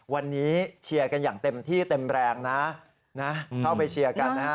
วันนี้เชียร์กันอย่างเต็มที่เต็มแรงนะนะเข้าไปเชียร์กันนะฮะ